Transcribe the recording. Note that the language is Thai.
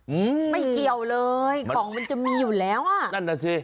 อืมไม่เกี่ยวเลยของมันจะมีอยู่แล้วอ่ะนั่นน่ะสิ